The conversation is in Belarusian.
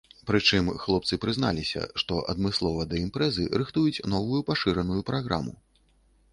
Прычым, хлопцы прызналіся, што адмыслова да імпрэзы рыхтуюць новую пашыраную праграму.